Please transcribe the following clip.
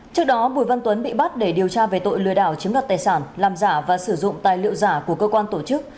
trước đó bùi văn tuấn bị bắt để điều tra về tội lừa đảo chiếm đặt tài sản làm giả và sử dụng tài liệu giả của cơ quan tổ chức